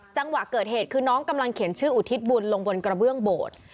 จังหวะเกิดเหตุคือน้องกำลังเขียนชื่ออุทิศบุญลงบนกระเบื้องโบสถ์